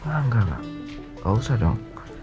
enggak lah gak usah dong